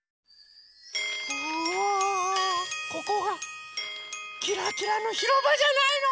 あここがキラキラのひろばじゃないの！